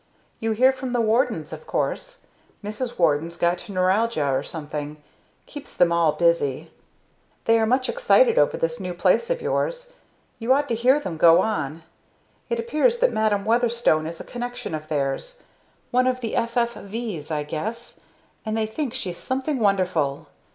You hear from the Wardens, of course. Mrs. Warden's got neuralgia or something; keeps them all busy. They are much excited over this new place of yours you ought to hear them go on! It appears that Madam Weatherstone is a connection of theirs one of the F. F. V's, I guess, and they think she's something wonderful.